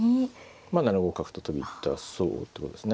まあ７五角と飛び出そうってことですね。